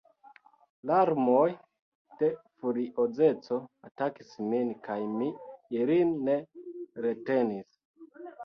Larmoj de furiozeco atakis min, kaj mi ilin ne retenis.